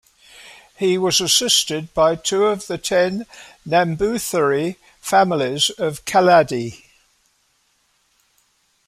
He was assisted by two of the ten Namboothiri families of Kalady.